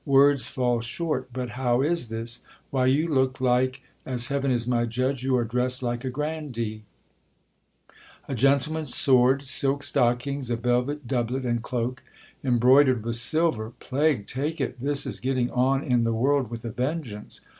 Words fall short But how is this? Why, you look like — as heaven is my judge, you are dressed like a grandee ! A gendeman's sword, silk stockings, a velvet doublet and cloak, embroidered with silver ! Plague take it ! this is getting on in the world with a vengeance.